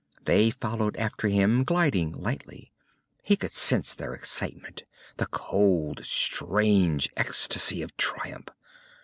They followed after him, gliding lightly. He could sense their excitement, the cold, strange ecstasy of triumph.